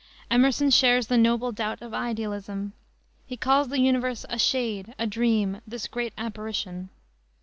Emerson shares the "noble doubt" of idealism. He calls the universe a shade, a dream, "this great apparition."